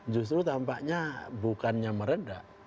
justru tampaknya bukannya meredah